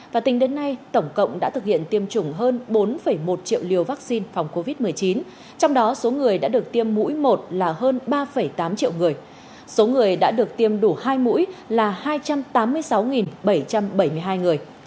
và tính đến nay tổng cộng đã thực hiện tiêm chủng hơn bốn một triệu liều vaccine phòng covid một mươi chín trong đó số người đã được tiêm mũi một là hơn ba tám triệu người số người đã được tiêm đủ hai mũi là hai trăm tám mươi sáu bảy trăm bảy mươi hai người